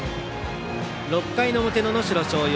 ６回の表の能代松陽。